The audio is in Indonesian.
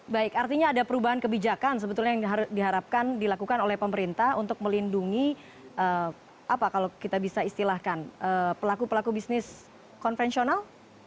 baik artinya ada perubahan kebijakan sebetulnya yang diharapkan dilakukan oleh pemerintah untuk melindungi apa kalau kita bisa istilahkan pelaku pelaku bisnis konvensional